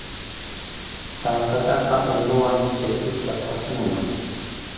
Sansataqa unuwan hichʼaykuspa thasnuna.